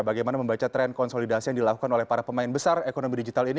bagaimana membaca tren konsolidasi yang dilakukan oleh para pemain besar ekonomi digital ini